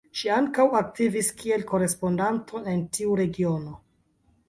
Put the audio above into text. Ŝi ankaŭ aktivis kiel korespondanto en tiu regiono.